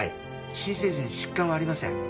新生児に疾患はありません。